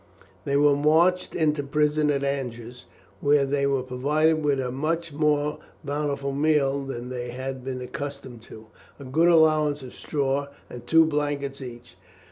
They were marched into the prison at Angers, where they were provided with a much more bountiful meal than they had been accustomed to, a good allowance of straw, and two blankets each.